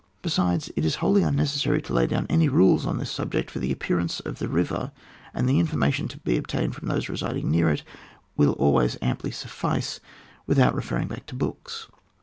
Besides, it is wholly unnecessary to lay down any rules on this subject, for the appearance of the river, and the infor mation to be obtained from those resid* ing near it, will always amply suffice, without referring back to books.